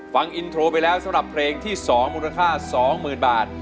ฟังอินโทรไปแล้วสำหรับเพลงที่๒มูลค่า๒๐๐๐บาท